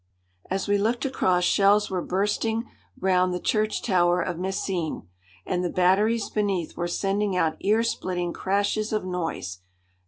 As we looked across shells were bursting round the church tower of Messines, and the batteries beneath were sending out ear splitting crashes of noise.